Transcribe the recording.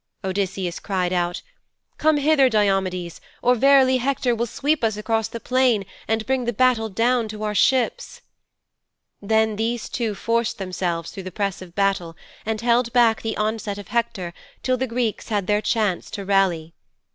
Odysseus cried out, "Come hither, Diomedes, or verily Hector will sweep us across the plain and bring the battle down to our ships."' 'Then these two forced themselves through the press of battle and held back the onset of Hector till the Greeks had their chance to rally.